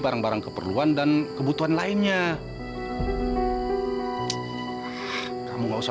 negara kerajaan indonesia